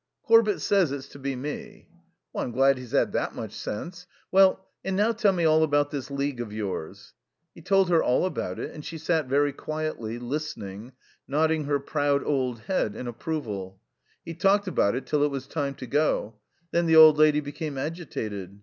"Corbett says it's to be me." "I'm glad he's had that much sense. Well and now tell me all about this League of yours." He told her all about it, and she sat very quietly, listening, nodding her proud old head in approval. He talked about it till it was time to go. Then the old lady became agitated.